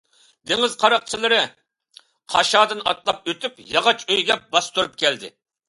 دېڭىز قاراقچىلىرى قاشادىن ئاتلاپ ئۆتۈپ ياغاچ ئۆيگە باستۇرۇپ كەلدى.